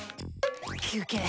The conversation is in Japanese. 休憩。